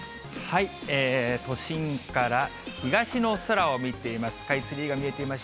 都心から東の空を見ています。